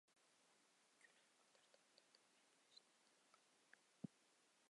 — Kunim adirda o‘tadi, men mashinani nima qilaman?